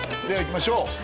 ではいきましょう